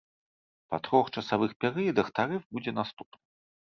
Па трох часавых перыядах тарыф будзе наступным.